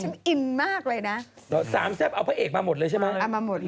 ฉันอินมากเลยนะเหรอสามแซ่บเอาพระเอกมาหมดเลยใช่ไหมเอามาหมดเลย